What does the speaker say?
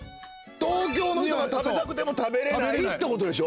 東京の人が食べたくても食べれないってことでしょ？